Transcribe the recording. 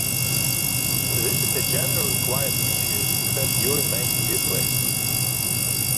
This is a generally quiet species, except during mating displays.